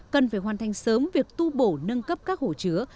cần phải hoàn thành sớm việc tu bổ nâng cấp các hồ chứa